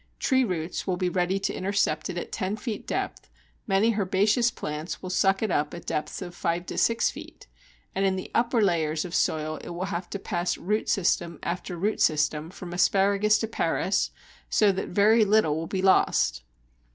Tree roots will be ready to intercept it at ten feet depth, many herbaceous plants will suck it in at depths of five to six feet, and in the upper layers of soil it will have to pass root system after root system from Asparagus to Paris, so that very little will be lost.